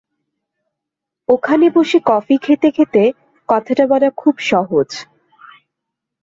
ওখানে বসে কফি খেতে খেতে কথাটা বলা খুব সহজ!